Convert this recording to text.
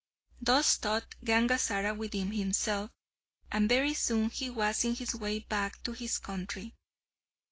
Thus thought Gangazara within himself, and very soon he was on his way back to his country.